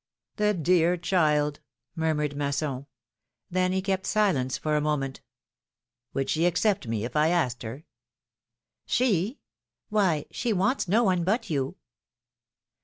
The dear child! " murmured Masson. Then he kept silence for a moment : Would she accept me, if I asked her ?" She ? Why, she wants no one but you."